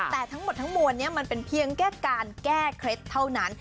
แต่ทั้งหมดทั้งมวลนี้มันเป็นเพียงแค่การแก้เคล็ดเท่านั้น